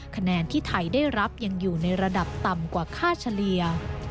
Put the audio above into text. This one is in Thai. คะแนนที่ไทยได้รับยังอยู่ในระดับต่ำกว่าค่าเฉลี่ย